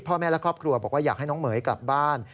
พ่อแม่และครอบครัวบอกว่าอยากให้น้องเหม๋ยกลับบ้าน